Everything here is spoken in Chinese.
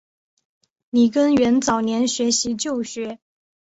李根源早年学习旧学。